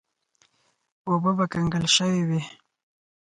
اوبه به کنګل شوې وې.